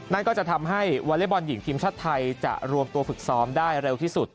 นั่นก็จะทำให้วอเล็กบอลหญิงทีมชาติไทยจะรวมตัวฝึกซ้อมได้เร็วที่สุด